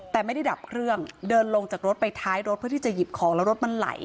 แต่ไม่ได้ดับเครื่องเดินลงจากรถไปท้ายรถเพื่อที่จะหยิบของแล้วรถมันไหล